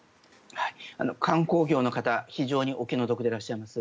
観光業の方非常にお気の毒でいらっしゃいます。